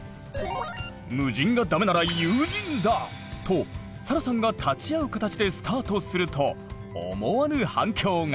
「無人がダメなら有人だ！」とサラさんが立ち会う形でスタートすると思わぬ反響が！